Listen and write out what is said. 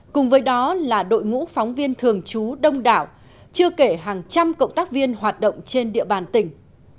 cùng với đó là đội ngũ phóng viên thường trú đông đảo chưa kể hàng trăm cộng tác viên hoạt động trên địa bàn tỉnh